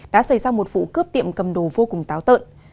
đã xảy ra một vụ cướp tiệm cầm đồ vô cùng táo tợn